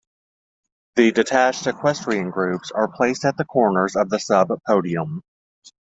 The detached equestrian groups are placed at the corners of the sub podium.